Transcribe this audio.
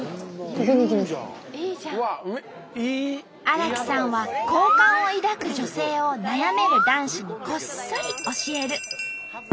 荒木さんは好感を抱く女性を悩める男子にこっそり教える。